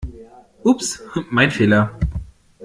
Ups, mein Fehler!